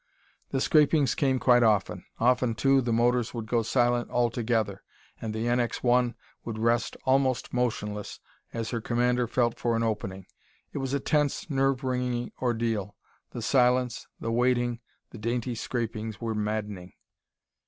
The scrapings came quite often. Often, too, the motors would go silent altogether, and the NX 1 would rest almost motionless as her commander felt for an opening. It was a tense, nerve wringing ordeal. The silence, the waiting, the dainty scrapings were maddening.